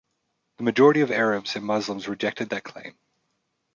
The majority of Arabs and Muslims rejected that claim.